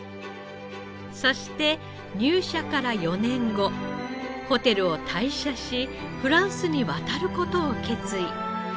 そして入社から４年後ホテルを退社しフランスに渡る事を決意。